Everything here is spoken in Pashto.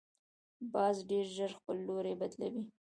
باز ډیر ژر خپل لوری بدلوي